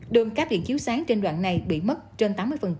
đường cáp điện chiếu sáng trên đoạn này bị mất trên tám mươi